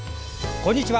こんにちは。